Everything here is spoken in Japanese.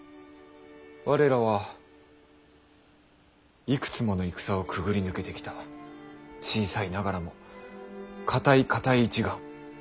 我らはいくつもの戦をくぐり抜けてきた小さいながらも固い固い一丸。